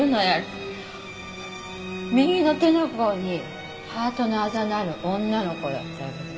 右の手の甲にハートのあざのある女の子だったけど。